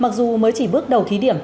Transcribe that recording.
mặc dù mới chỉ bước đầu thí điểm